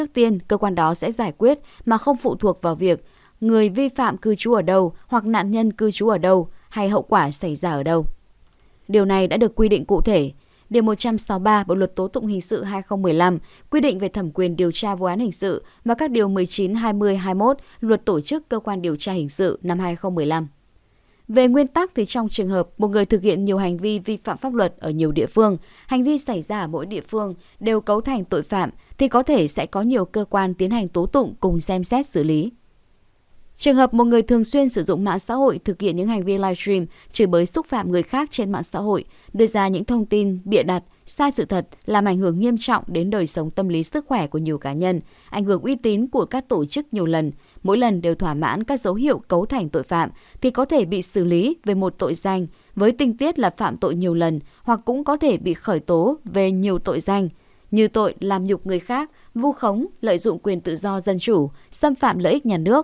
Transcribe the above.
trường hợp một người thường xuyên sử dụng mạng xã hội thực hiện những hành vi live stream trừ bới xúc phạm người khác trên mạng xã hội đưa ra những thông tin bịa đặt sai sự thật làm ảnh hưởng nghiêm trọng đến đời sống tâm lý sức khỏe của nhiều cá nhân ảnh hưởng uy tín của các tổ chức nhiều lần mỗi lần đều thỏa mãn các dấu hiệu cấu thành tội phạm thì có thể bị xử lý về một tội danh với tinh tiết là phạm tội nhiều lần hoặc cũng có thể bị khởi tố về nhiều tội danh như tội làm nhục người khác vu khống lợi dụng quyền tự do dân chủ xâm phạ